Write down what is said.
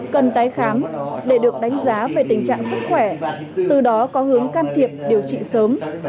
cần tái khám để được đánh giá về tình trạng sức khỏe từ đó có hướng can thiệp điều trị sớm